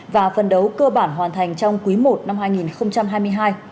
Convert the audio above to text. và phân đấu cơ bản hoàn thành trong quý một năm hai nghìn hai mươi hai